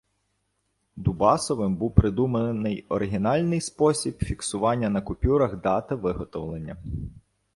Дубасовим був придуманий оригінальний спосіб фіксування на купюрах дати виготовлення.